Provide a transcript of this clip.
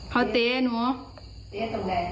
เขาเทเนอะ